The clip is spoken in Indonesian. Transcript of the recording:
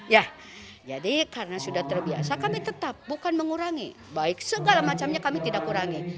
ya jadi karena sudah terbiasa kami tetap bukan mengurangi baik segala macamnya kami tidak kurangi